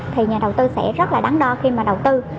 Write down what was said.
thì nhà đầu tư sẽ rất là đắn đo khi mà đầu tư